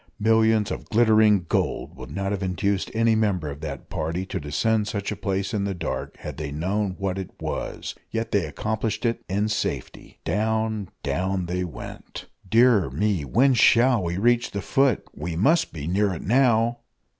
Millions of glittering gold would not have induced any member of that party to descend such a place in the dark, had they known what it was yet they accomplished it in safety. Down, down they went! "Dear me, when shall we reach the foot? We must be near it now."